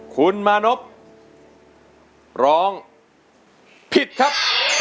คุณมานพร้องผิดครับ